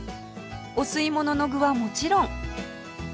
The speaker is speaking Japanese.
お吸い物の具はもちろん